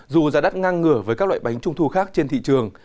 dù giá đắt ngang ngửa với các loại bánh trung thu khác trên thị trường